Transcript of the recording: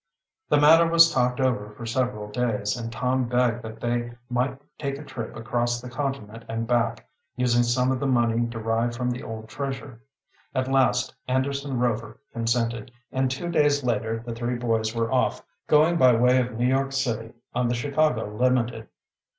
The matter was talked over for several days, and Tom begged that they might take a trip across the continent and back, using some of the money derived from the old treasure. At last Anderson Rover consented; and two days later the three boys were off, going by way of New York City, on the Chicago Limited.